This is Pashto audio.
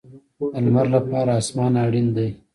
د لمر لپاره اسمان اړین دی